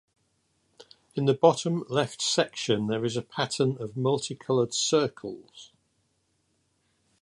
In the bottom left section there is a pattern of multicolored circles.